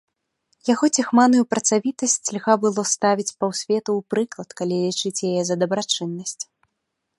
Яго ціхманую працавітасць льга было ставіць паўсвету ў прыклад, калі лічыць яе за дабрачыннасць.